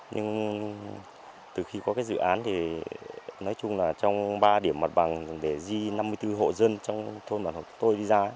nhưng từ khi có cái dự án thì nói chung là trong ba điểm mặt bằng để di năm mươi bốn hộ dân trong thôn bản hột tôi